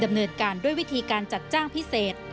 ดำเนินการด้วยวิธีการจัดจ้างพิเศษ